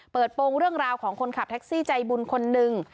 โปรงเรื่องราวของคนขับแท็กซี่ใจบุญคนหนึ่ง